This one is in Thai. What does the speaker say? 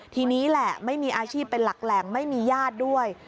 ทีนี้แหละไม่มีอาชีพเป็นหลักแหล่งไม่มีญาติด้วย